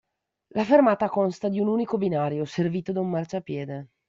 La fermata consta di un unico binario, servito da un marciapiede.